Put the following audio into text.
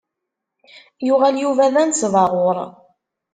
Yuɣal Yuba d anesbaɣur.